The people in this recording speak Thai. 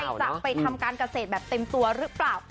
จะไปทำการเกษตรแบบเต็มตัวหรือเปล่า